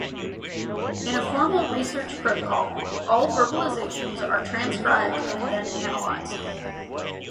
In a formal research protocol, all verbalizations are transcribed and then analyzed.